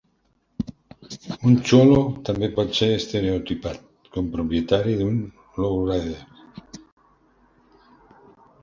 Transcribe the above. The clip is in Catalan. Un "cholo" també pot ser estereotipat com propietari d'un lowrider.